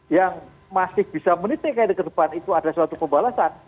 yang masih bisa menitik ke depan itu ada suatu pembalasan